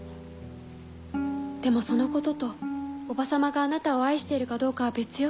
でもそのこととおば様があなたを愛しているかどうかは別よ。